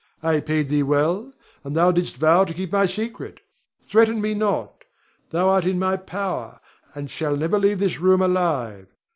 I paid thee well, and thou didst vow to keep my secret. Threaten me not. Thou art in my power, and shall never leave this room alive.